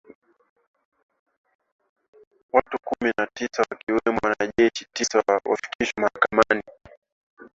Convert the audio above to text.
Watu kumi na tisa wakiwemo wanajeshi tisa walifikishwa mahakamani